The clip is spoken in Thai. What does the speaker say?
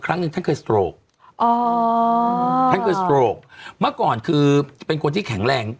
ครั้งหนึ่งท่านเคยสโตรกอ๋อท่านเคยสโตรกเมื่อก่อนคือเป็นคนที่แข็งแรง